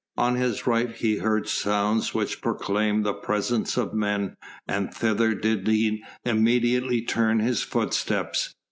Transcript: On his right he heard sounds which proclaimed the presence of men, and thither did he immediately turn his footsteps.